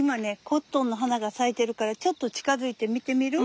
コットンの花が咲いてるからちょっと近づいて見てみる？